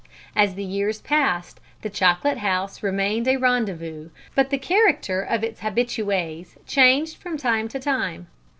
As the years passed the Chocolate House remained a rendezvous, but the character of its habitués changed from time to time.